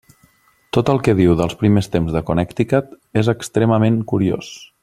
Tot el que diu dels primers temps de Connecticut és extremament curiós.